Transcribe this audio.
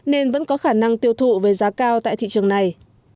nên vẫn có khả năng tiêu thụ với giá cao tại thị trường này